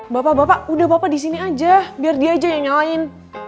bapak bapak udah bapak di sini aja biar dia aja yang nyalain